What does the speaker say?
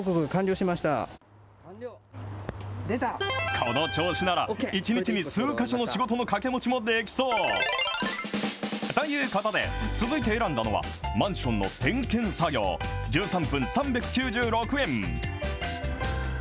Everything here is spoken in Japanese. この調子なら、１日に数か所の仕事の掛け持ちもできそう。ということで、続いて選んだのは、マンションの点検作業、１３分３９６円。